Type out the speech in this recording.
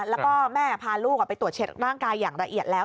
แล้วก็แม่พาลูกไปตรวจเช็ดร่างกายอย่างละเอียดแล้ว